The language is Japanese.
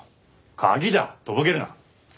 鍵だ！とぼけるな！